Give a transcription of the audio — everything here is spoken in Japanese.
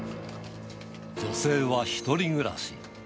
女性は１人暮らし。